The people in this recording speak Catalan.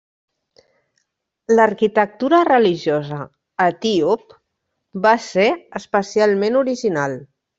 L'arquitectura religiosa etíop va ser especialment original.